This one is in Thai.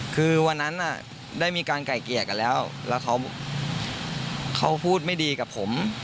คือวันนั้นอะได้มีการไกล้เกียจอะแล้วแล้วเขาเขาพูดไม่ดีกับผม